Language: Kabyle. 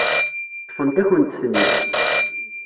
Ṭṭfent-akent-ten-id.